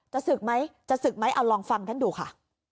ศึกไหมจะศึกไหมเอาลองฟังท่านดูค่ะ